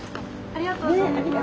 ありがとうございます。